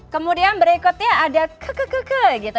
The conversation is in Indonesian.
kemudian berikutnya ada ke ke ke ke gitu